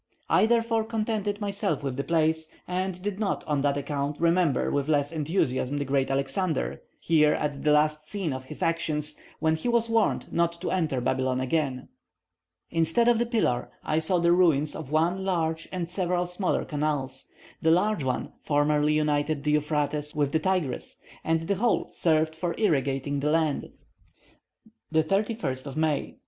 I therefore contented myself with the place, and did not, on that account, remember with less enthusiasm the great Alexander, here at the last scene of his actions, when he was warned not to enter Babylon again. Instead of the pillar, I saw the ruins of one large and several smaller canals. The large one formerly united the Euphrates with the Tigris, and the whole served for irrigating the land. 31st May.